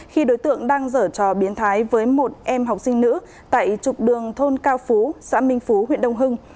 khi đối tượng đang dở trò biến thái với một em học sinh nữ tại trục đường thôn cao phú xã minh phú huyện đông hưng